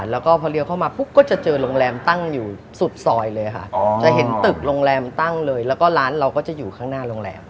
แล้วก็พอเลี้ยวเข้ามาปุ๊บก็จะเจอโรงแรมตั้งอยู่สุดซอยเลยค่ะจะเห็นตึกโรงแรมตั้งเลยแล้วก็ร้านเราก็จะอยู่ข้างหน้าโรงแรม